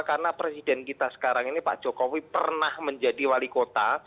karena presiden kita sekarang ini pak jokowi pernah menjadi wali kota